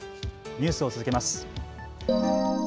ニュースを続けます。